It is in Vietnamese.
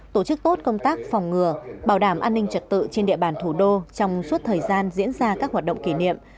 tổ chức tốt công tác phòng ngừa bảo đảm an ninh trật tự trên địa bàn thủ đô trong suốt thời gian diễn ra các hoạt động kỷ niệm